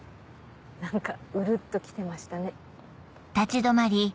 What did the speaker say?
何かウルっと来てましたね。